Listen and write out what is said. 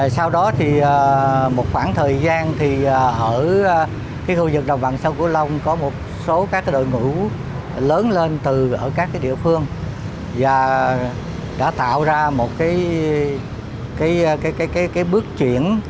sau đó thì một khoảng thời gian thì ở khu vực đồng bằng sông cửu long có một số các đội ngũ lớn lên từ ở các địa phương và đã tạo ra một bước chuyển